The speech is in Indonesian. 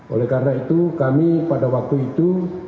oleh karena itu kami pada waktu itu